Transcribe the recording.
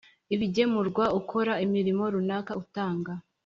Ibigemurwa ukora imirimo runaka utanga